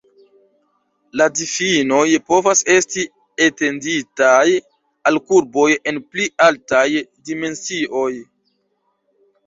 La difinoj povas esti etenditaj al kurboj en pli altaj dimensioj.